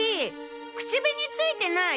口紅付いてない？